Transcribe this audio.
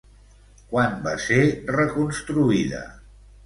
Quan va ser reconstruïda?